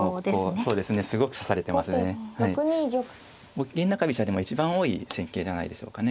ゴキゲン中飛車でも一番多い戦型じゃないでしょうかね。